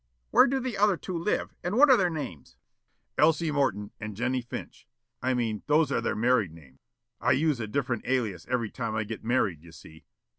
"Where do the other two live, and what are their names?" "Elsie Morton and Jennie Finch. I mean, those are their married names. I use a different alias every time I get married, you see.